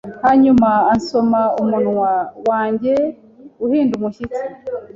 hanyuma ansoma umunwa wanjye uhinda umushyitsi